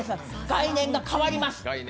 概念が変わります。